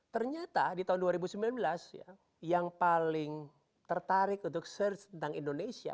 ternyata di tahun dua ribu sembilan belas yang paling tertarik untuk search tentang indonesia